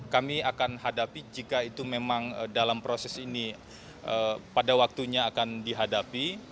kami akan hadapi jika itu memang dalam proses ini pada waktunya akan dihadapi